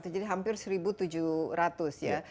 satu enam ratus jadi hampir satu tujuh ratus ya